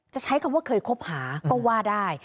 ใช้คำว่าเคยคบหาก็ว่าได้